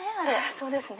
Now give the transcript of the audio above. そうですね。